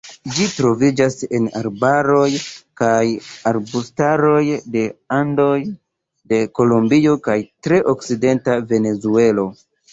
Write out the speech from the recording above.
Ĝi troviĝas en arbaroj kaj arbustaroj de Andoj de Kolombio kaj tre okcidenta Venezuelo.